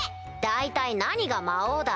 大体何が魔王だ。